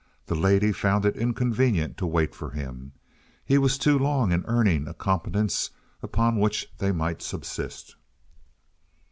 The lady found it inconvenient to wait for him. He was too long in earning a competence upon which they might subsist.